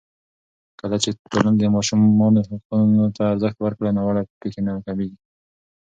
کله چې ټولنه د ماشومانو حقونو ته ارزښت ورکړي، ناوړه پېښې کمېږي.